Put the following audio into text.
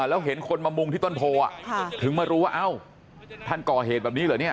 แล้วเห็นคนมามุงที่ต้นโพถึงมารู้ว่าเอ้าท่านก่อเหตุแบบนี้เหรอเนี่ย